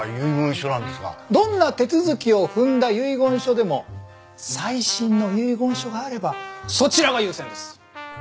どんな手続きを踏んだ遺言書でも最新の遺言書があればそちらが優先です。